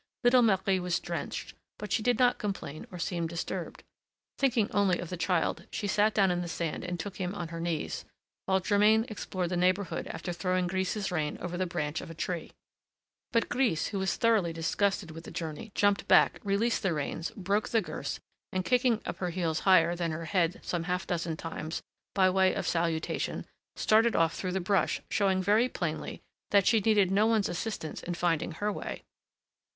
Little Marie was drenched, but she did not complain or seem disturbed. Thinking only of the child, she sat down in the sand and took him on her knees, while Germain explored the neighborhood after throwing Grise's rein over the branch of a tree. But Grise, who was thoroughly disgusted with the journey, jumped back, released the reins, broke the girths, and, kicking up her heels higher than her head some half dozen times, by way of salutation, started off through the brush, showing very plainly that she needed no one's assistance in finding her way.